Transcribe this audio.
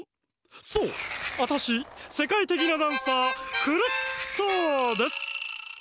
そうアタシせかいてきなダンサークルットです！